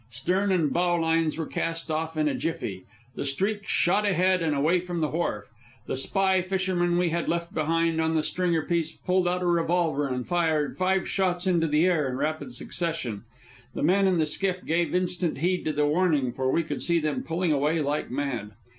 Stern and bow lines were cast off in a jiffy. The Streak shot ahead and away from the wharf. The spy fisherman we had left behind on the stringer piece pulled out a revolver and fired five shots into the air in rapid succession. The men in the skiff gave instant heed to the warning, for we could see them pulling away like mad.